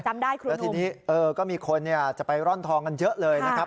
จำได้ครูนุ่มแล้วทีนี้เออก็มีคนเนี่ยจะไปร่อนทองกันเยอะเลยนะครับ